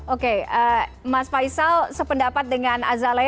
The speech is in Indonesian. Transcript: oke mas faisal sependapat dengan azalea tadi